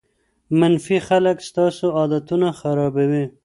منفي خلک ستاسو عادتونه خرابوي.